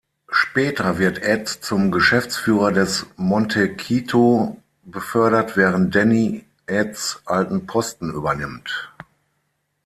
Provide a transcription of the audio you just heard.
Später wird Ed zum Geschäftsführer des Montecito befördert, während Danny Eds alten Posten übernimmt.